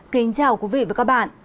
kính chào quý vị và các bạn